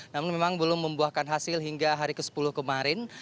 namun memang belum membuahkan hasil hingga hari ke sepuluh kemarin